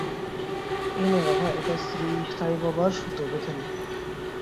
এইনে বাবা, এটা শ্রী সাই বাবার সুতো, বেধে নে।